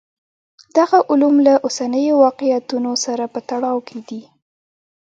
دغه علوم له اوسنیو واقعیتونو سره په تړاو کې دي.